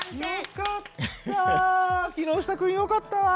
木下君よかったわ。